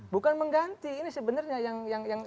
bukan mengganti ini sebenarnya yang